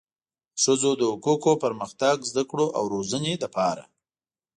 د ښځو د حقوقو، پرمختګ، زده کړو او روزنې لپاره